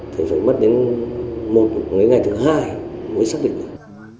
thì phải mất đến một ngày thứ hai mới xác định được